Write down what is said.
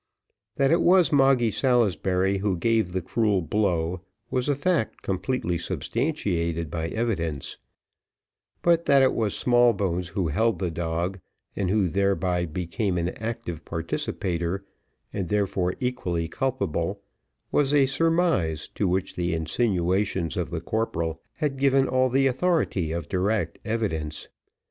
That it was Moggy Salisbury who gave the cruel blow, was a fact completely substantiated by evidence; but that it was Smallbones who held the dog, and who thereby became an active participator, and therefore equally culpable, was a surmise to which the insinuations of the corporal had given all the authority of direct evidence.